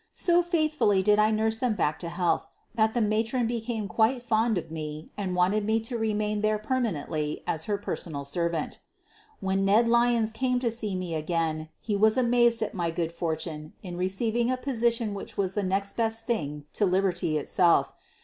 So faithfully did I nurse them back to health that the matron became quite fond of me and wanted me to remain there permanently as her personal servant. QUEEN OF THE BURGLARS 65 When Ned Lyons came to see me again he was amazed at my good fortune in receiving a position which was the next best thing to liberty itself.